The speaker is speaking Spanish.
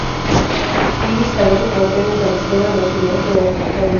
Milla instaló su cuartel en San Esteban, al suroeste de la capital hondureña.